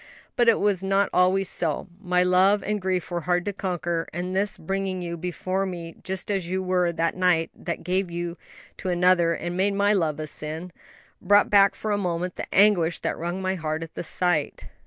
But it was not always so; my love and grief were hard to conquer, and this bringing you before me just as you were that night that gave you to another and made my love a sin brought back for a moment the anguish that wrung my heart at the sight."